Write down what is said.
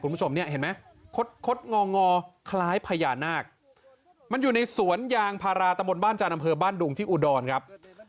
คุณผู้ชมเนี่ยเห็นไหมคดงองอคล้ายพญานาคมันอยู่ในสวนยางพาราตะบนบ้านจันทร์อำเภอบ้านดุงที่อุดรครับ